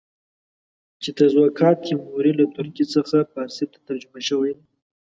چې تزوکات تیموري له ترکي څخه فارسي ته ترجمه شوی.